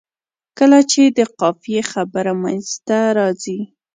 کله چې د قافیې خبره منځته راځي.